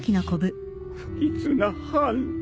不吉な半。